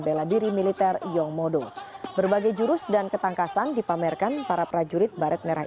bela diri militer yong modo berbagai jurus dan ketangkasan dipamerkan para prajurit baret merah